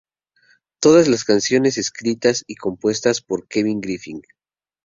Todas las canciones escritas y compuestas por Kevin Griffin.